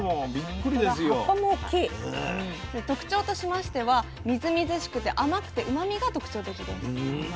で特徴としましてはみずみずしくて甘くてうまみが特徴的です。